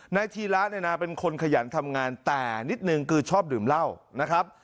ธีระเนี่ยนะเป็นคนขยันทำงานแต่นิดนึงคือชอบดื่มเหล้านะครับ